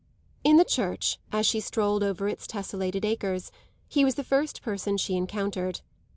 In the church, as she strolled over its tesselated acres, he was the first person she encountered.